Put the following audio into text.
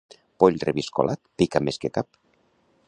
Poll reviscolat pica més que cap.